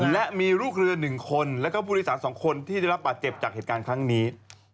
และมีลูกเรือหนึ่งคนและผู้โดยสารสองคนที่ได้รับป่าเจ็บจากเหตุการณ์ครั้งนี้